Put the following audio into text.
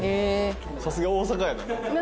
さすが大阪やな。